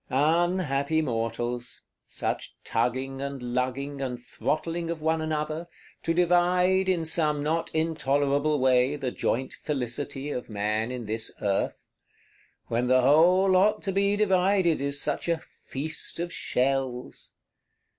Unhappy mortals: such tugging and lugging, and throttling of one another, to divide, in some not intolerable way, the joint Felicity of man in this Earth; when the whole lot to be divided is such a "feast of _shells!